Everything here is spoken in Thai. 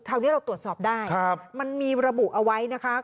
คราวนี้เราตรวจสอบได้มันมีระบุเอาไว้นะคะ